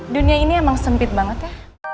dunia ini emang sempit banget ya